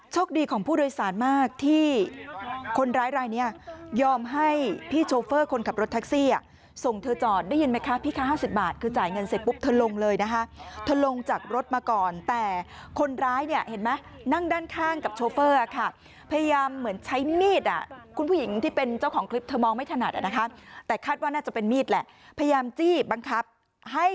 ของผู้โดยสารมากที่คนร้ายรายนี้ยอมให้พี่โชเฟอร์คนขับรถแท็กซี่อ่ะส่งเธอจอดได้ยินไหมคะพี่คะ๕๐บาทคือจ่ายเงินเสร็จปุ๊บเธอลงเลยนะคะเธอลงจากรถมาก่อนแต่คนร้ายเนี่ยเห็นไหมนั่งด้านข้างกับโชเฟอร์ค่ะพยายามเหมือนใช้มีดอ่ะคุณผู้หญิงที่เป็นเจ้าของคลิปเธอมองไม่ถนัดอ่ะนะคะแต่คาดว่าน่าจะเป็นมีดแหละพยายามจี้บังคับให้